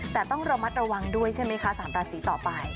แต่ต้องระมัดระวังด้วยใช่ไหมคะ๓ราศีต่อไป